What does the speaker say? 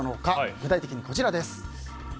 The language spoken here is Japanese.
具体的に、こちらです。